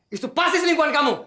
itu pasti selingkuhan kamu